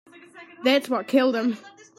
That's what killed him.